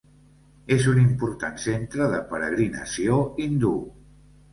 És un important centre de peregrinació hindú.